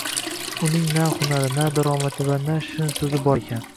Uning na hunari, na daromadi va na shirin so'zi bor ekan